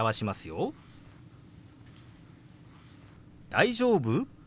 「大丈夫？」。